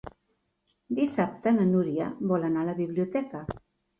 Dissabte na Núria vol anar a la biblioteca.